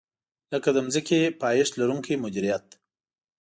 لکه د ځمکې پایښت لرونکې مدیریت.